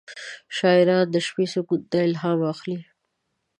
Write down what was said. شاعران د شپې سکون ته الهام اخلي.